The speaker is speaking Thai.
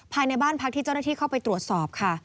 ภายในบ้านพักที่เจ้าหน้าที่เข้าไปตรวจสอบค่ะ